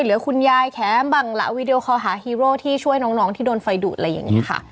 เหลือคุณยายแถมบังละวีดีโอคอลหาฮีโร่ที่ช่วยน้องที่โดนไฟดูดอะไรอย่างนี้ค่ะ